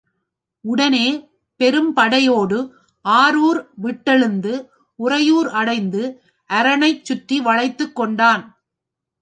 உடனே, பெரும் படையோடு, ஆவூர் விட்டெழுந்து, உறையூர் அடைந்து அரணைச் சுற்றி வளைத்துக் கொண்டான்.